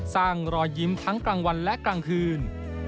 รอยยิ้มทั้งกลางวันและกลางคืน